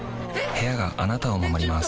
部屋があなたを守ります